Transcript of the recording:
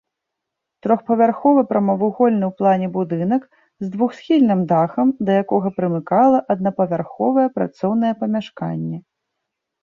Трохпавярховы прамавугольны ў плане будынак з двухсхільным дахам, да якога прымыкала аднапавярховае працоўнае памяшканне.